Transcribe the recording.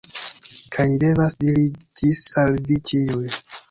Kaj ni devas diri "Ĝis" al vi ĉiuj.